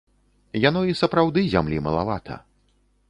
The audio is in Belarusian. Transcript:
Яно і сапраўды зямлі малавата.